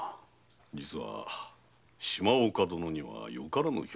実は島岡殿にはよからぬ評判が。